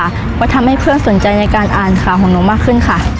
ก็ทำให้เพื่อนสนใจในการอ่านข่าวของหนูมากขึ้นค่ะ